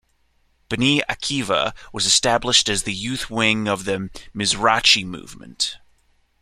Bnei Akiva was established as the youth wing of the Mizrachi movement.